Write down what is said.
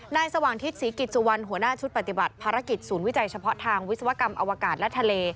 สว่างทิศศรีกิจสุวรรณหัวหน้าชุดปฏิบัติภารกิจศูนย์วิจัยเฉพาะทางวิศวกรรมอวกาศและทะเล